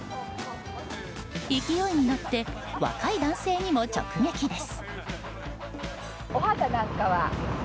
勢いに乗って若い男性にも直撃です。